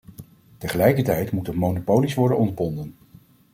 Tegelijkertijd moeten monopolies worden ontbonden.